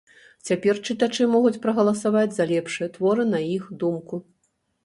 Цяпер чытачы могуць прагаласаваць за лепшыя творы на іх думку.